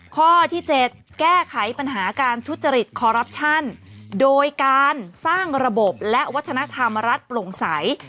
ข้อที่๗แก้ไขปัญหาการทุจจริตโดยการสร้างระบบและวัฒนธรรมรัฐปลงสัย